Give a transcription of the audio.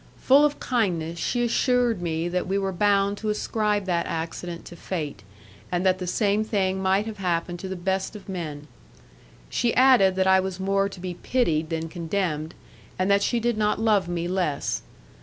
Full of kindness, she assured me that we were bound to ascribe that accident to fate, and that the same thing might have happened to the best of men. She added that I was more to be pitied than condemned, and that she did not love me less.